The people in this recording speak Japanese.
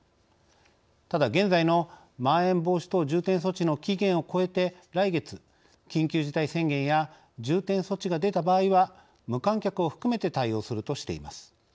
ただ現在のまん延防止等重点措置の期限を越えて来月緊急事態宣言や重点措置が出た場合は無観客を含めて対応するとしています。